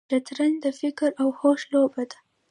شطرنج د فکر او هوش لوبه ده.